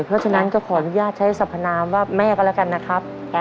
เพราะฉะนั้นก็ขออนุญาตใช้สัพพนามว่าแม่ก็แล้วกันนะครับ